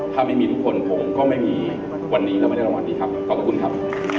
ถ้าไม่มีทุกคนผมก็ไม่มีวันนี้เราไม่ได้รางวัลดีครับขอบพระคุณครับ